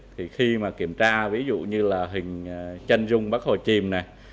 thì khi mà kiểm tra ví dụ như là hình chân rung bắt hồ chìm này